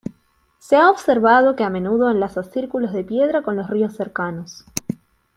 Se ha observado que a menudo enlaza círculos de piedra con los ríos cercanos.